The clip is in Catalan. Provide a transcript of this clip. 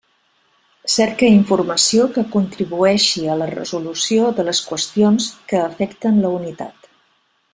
Cerca informació que contribueixi a la resolució de les qüestions que afecten la unitat.